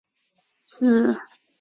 东吴骑都尉虞翻之孙。